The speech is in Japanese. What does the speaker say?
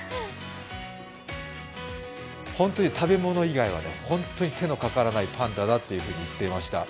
食べ物以外は本当に手のかからないパンダだって言ってました。